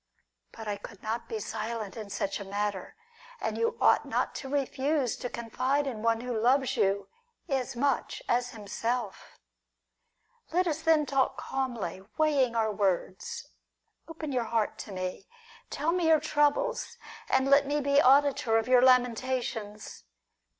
But I could not be silent in such a matter, and you ought not to refuse to confide in one who loves you as much as himself. Let us PLOTINUS AND PORPHYRIUS. 183 then talk calmly, weighing our words. Open your heart to me. Tell me your troubles, and let me be auditor of your lamentations.